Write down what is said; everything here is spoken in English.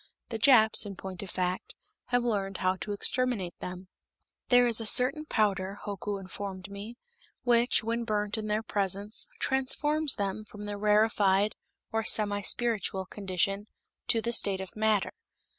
The Japs, in point of fact, have learned how to exterminate them. There is a certain powder, Hoku informed me, which, when burnt in their presence, transforms them from the rarefied, or semi spiritual, condition to the state of matter.